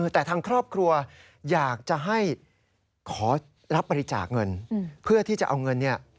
แต่ทางครอบครัวอยากจะให้ขอรับบริจาคเงินเพื่อที่จะเอาเงินเนี่ย